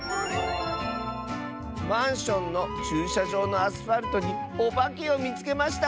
「マンションのちゅうしゃじょうのアスファルトにおばけをみつけました！」。